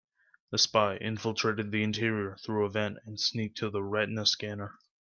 The spy infiltrated the interior through a vent and sneaked to the retina scanner.